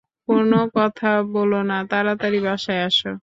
কোনো কথা বলো না, তাড়াতাড়ি বাসায় আসো।